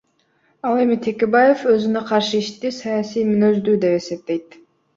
Ал эми Текебаев өзүнө каршы ишти саясий мүнөздүү деп эсептейт.